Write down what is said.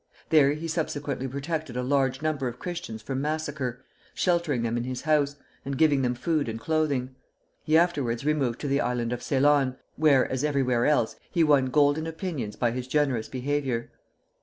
There he subsequently protected a large number of Christians from massacre, sheltering them in his house, and giving them food and clothing. He afterwards removed to the island of Ceylon, where, as everywhere else, he won "golden opinions" by his generous behavior.